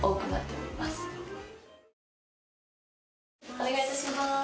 お願いいたします。